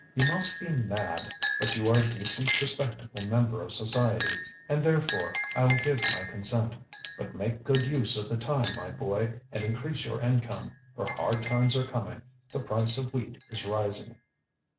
You must be mad! But you are a decent, respectable member of society, and therefore IŌĆÖll give my consent; but make good use of the time, my boy, and increase your income, for hard times are coming. The price of wheat is rising.